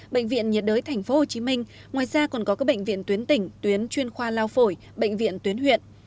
bệnh viện nhiệt đới tp hcm ngoài ra còn có các bệnh viện tuyến tỉnh tuyến chuyên khoa lao phổi bệnh viện tuyến huyện